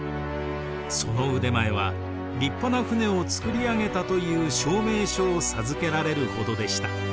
その腕前は立派な船をつくり上げたという証明書を授けられるほどでした。